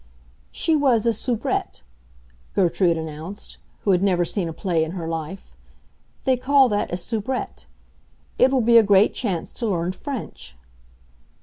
"She was a soubrette," Gertrude announced, who had never seen a play in her life. "They call that a soubrette. It will be a great chance to learn French."